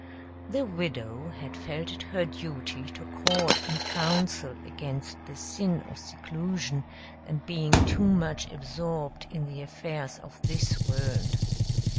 The widow had felt it her duty to call and counsel against the sin of seclusion and being too much absorbed in the affairs of this world.